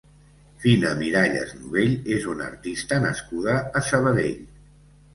Fina Miralles Nobell és una artista nascuda a Sabadell.